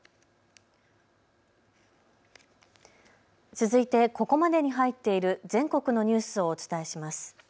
続いてここまでに入っている全国のニュースをお伝えします。